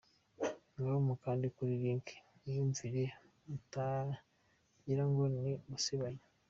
Ngaho mukande kuri link mwiyumvire mutagira ngo ni ugusebanya.